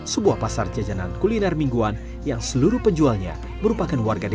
sebuah pasar jajanan kuliner mingguan yang seluruh penjualnya merupakan warga desa